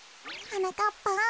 はなかっぱん。